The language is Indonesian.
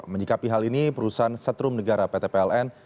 menyikapi hal ini perusahaan setrum negara pt pln